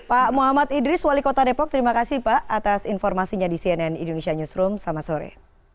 pak muhammad idris wali kota depok terima kasih pak atas informasinya di cnn indonesia newsroom selamat sore